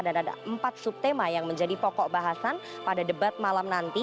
dan ada empat subtema yang menjadi pokok bahasan pada debat malam nanti